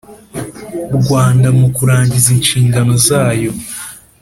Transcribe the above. Rwanda mu kurangiza inshingano zayo